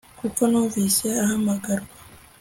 kuko numvise ahamagarwa